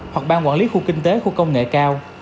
hoặc ban quản lý khu kinh tế khu công nghệ cao